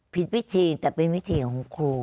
ผิดวิธีแต่เป็นวิธีของครู